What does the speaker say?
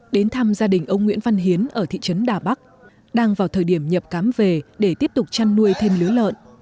đến thăm gia đình ông nguyễn văn hiến ở thị trấn đà bắc đang vào thời điểm nhập cám về để tiếp tục chăn nuôi thêm lứa lợn